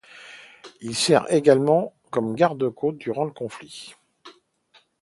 Il sert également comme garde-côte durant le conflit.